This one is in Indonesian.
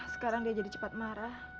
sekarang dia jadi cepat marah